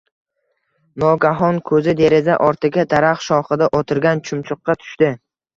Nogahon ko‘zi deraza ortiga – daraxt shoxida o‘tirgan chumchuqqa tushdi.